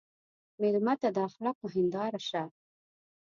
مېلمه ته د اخلاقو هنداره شه.